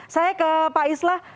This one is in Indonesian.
saya ke pak islah